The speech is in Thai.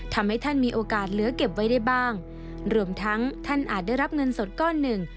ทำให้ท่านมีโอกาสเหลือเก็บไว้ได้บ้างรวมทั้งท่านอาจได้รับเงินสดก้อนหนึ่ง